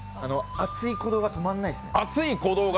熱い鼓動が止まらない？